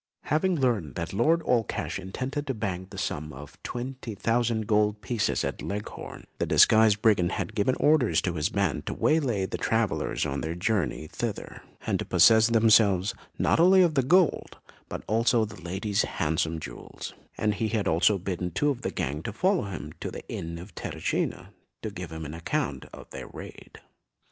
Having learnt that Lord Allcash intended to bank the sum of twenty thousand gold pieces at Leghorn, the disguised brigand had given orders to his band to waylay the travellers on their journey thither, and to possess themselves, not only of the gold, but also of the lady's handsome jewels; and he had also bidden two of the gang to follow him to the inn of Terracina, to give him an account of their raid.